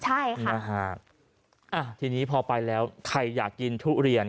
ใช่ค่ะนะฮะทีนี้พอไปแล้วใครอยากกินทุเรียน